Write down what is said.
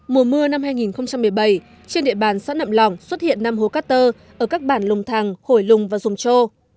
mùa mưa năm hai nghìn một mươi bảy trên địa bàn xã nậm lòng xuất hiện năm hố cát tơ ở các bản lùng thàng hổi lùng và dùng châu